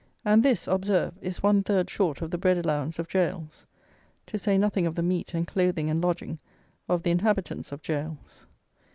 And this, observe, is one third short of the bread allowance of gaols, to say nothing of the meat and clothing and lodging of the inhabitants of gaols.